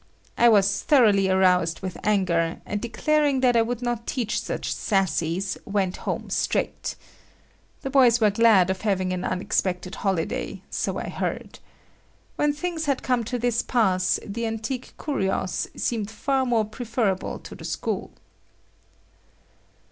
I was thoroughly aroused with anger, and declaring that I would not teach such sassies, went home straight. The boys were glad of having an unexpected holiday, so I heard. When things had come to this pass, the antique curious seemed far more preferable to the school.